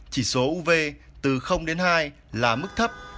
chỉ số uv từ hai là mức thấp